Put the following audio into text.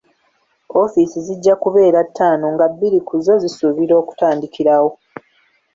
Offiisi zijja kubeera ttaano, nga bbiri ku zo zisuubirwa okutandikirawo.